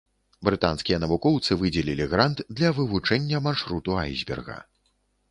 Брытанскія навукоўцы выдзелілі грант для вывучэння маршруту айсберга.